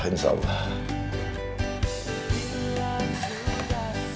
kalau makan makas